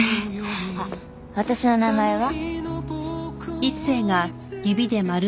私の名前は？